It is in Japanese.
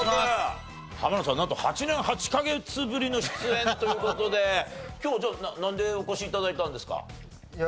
なんと８年８カ月ぶりの出演という事で今日なんでお越し頂いたんですか？